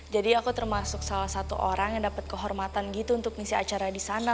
jadi aku termasuk salah satu orang yang dapat kehormatan gitu untuk ngisi acara di sana